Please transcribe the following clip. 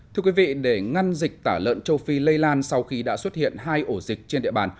thưa quý vị để ngăn dịch tả lợn châu phi lây lan sau khi đã xuất hiện hai ổ dịch trên địa bàn